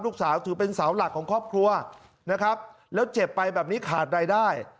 ถือเป็นเสาหลักของครอบครัวนะครับแล้วเจ็บไปแบบนี้ขาดรายได้